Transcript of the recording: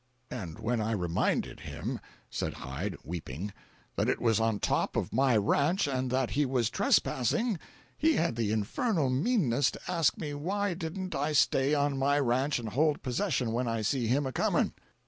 "And when I reminded him," said Hyde, weeping, "that it was on top of my ranch and that he was trespassing, he had the infernal meanness to ask me why didn't I stay on my ranch and hold possession when I see him a coming!